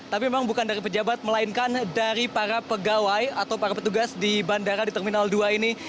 tapi memang bukan dari pejabat melainkan dari para pegawai atau para petugas di bandara di terminal dua ini